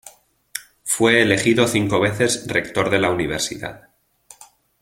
Fue elegido cinco veces rector de la universidad.